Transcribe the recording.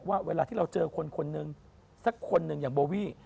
ว่าเวลาที่เราเจอคนคนหนึ่งสักคนหนึ่งอย่างโบวี่